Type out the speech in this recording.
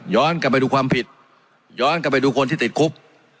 กลับไปดูความผิดย้อนกลับไปดูคนที่ติดคุก